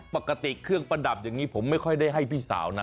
ปกติเครื่องประดับอย่างนี้ผมไม่ค่อยได้ให้พี่สาวนะ